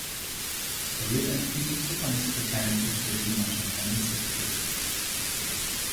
Verliert ein Team, so kann es für keinen Pitcher dieser Mannschaft einen Save geben.